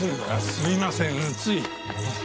すみませんつい。